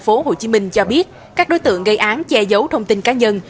công an thành phố hồ chí minh cho biết các đối tượng gây án che giấu thông tin cá nhân